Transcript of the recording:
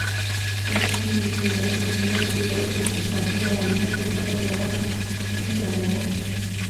اسلام د مسلمانانو ترمنځ د یووالي، همغږۍ، او امنیت لپاره یوه قوي لاره ده.